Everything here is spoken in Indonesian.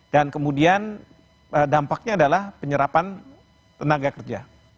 dan kemudian dampaknya adalah penyerapan tenaga kerja